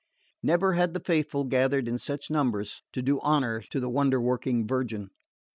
Never had the faithful gathered in such numbers to do honour to the wonder working Virgin.